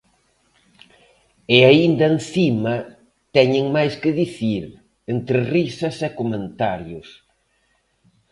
E aínda encima teñen máis que dicir, entre risas e comentarios.